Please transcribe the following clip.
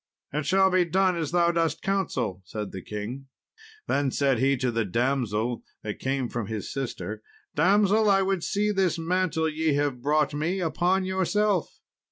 "It shall be done as thou dost counsel," said the king. Then said he to the damsel that came from his sister, "Damsel, I would see this mantle ye have brought me upon yourself."